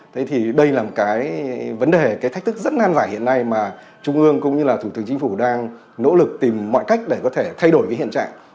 thế thì đây là một cái vấn đề cái thách thức rất nan vải hiện nay mà trung ương cũng như là thủ tướng chính phủ đang nỗ lực tìm mọi cách để có thể thay đổi cái hiện trạng